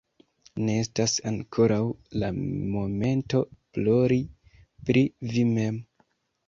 Ne estas ankoraŭ la momento, plori pri vi mem.